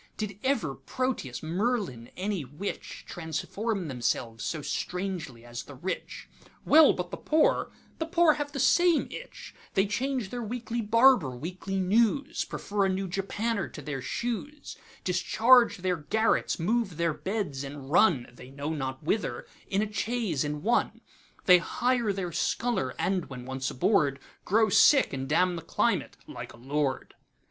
Did ever Proteus, Merlin, any witch, Transform themselves so strangely as the Rich? Well, but the Poor—the Poor have the same itch; They change their weekly barber, weekly news, Prefer a new japanner to their shoes, Discharge their garrets, move their beds, and run(They know not whither) in a chaise and one; They hire their sculler, and when once aboardGrow sick, and damn the climate—like a Lord.